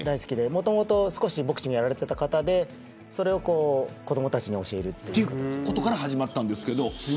もともと、少しボクシングをやられていた方でそれを子どもたちに教える。ということから始まったんですけど。